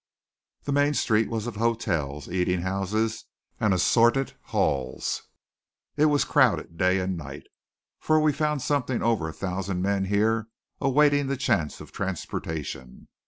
The main street was of hotels, eating houses, and assorted hells. It was crowded day and night, for we found something over a thousand men here awaiting the chance of transportation.